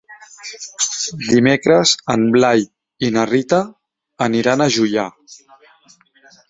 Dimecres en Blai i na Rita aniran a Juià.